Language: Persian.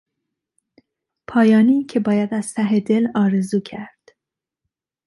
پایانی که باید از ته دل آرزو کرد